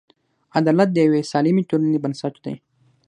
عدالت د یوې سالمې ټولنې بنسټ دی.